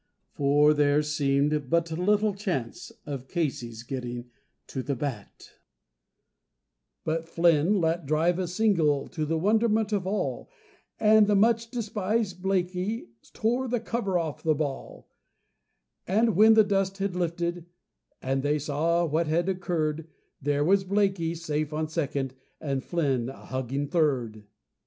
For there seemed but little chance of Casey's getting to the bat, But Flynn let drive a "single," to the wonderment of all, And the much despised Blakey "tore the cover off the ball"; And when the dust had lifted and they saw what had occurred, There was Blakey safe at second, and Flynn a huggin' third.